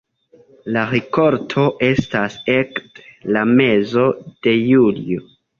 La rikolto estas ekde la mezo de julio.